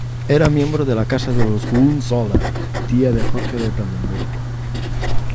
Era miembro de la Casa de los Hohenzollern, tía de Jorge de Brandenburgo.